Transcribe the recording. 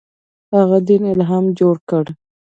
هغه دین الهي جوړ کړ.